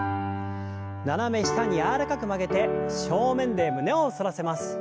斜め下に柔らかく曲げて正面で胸を反らせます。